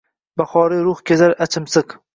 Bahoriy ruh kezar achimsiq.